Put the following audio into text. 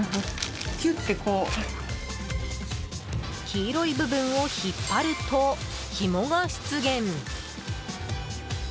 黄色い部分を引っ張るとひもが出現。